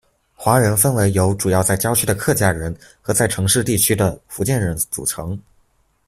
华人分为由主要在郊区的客家人和在城市地区的福建人组成。